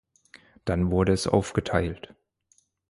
Dann wurde es aufgeteilt.